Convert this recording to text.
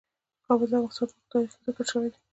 کابل د افغانستان په اوږده تاریخ کې ذکر شوی دی.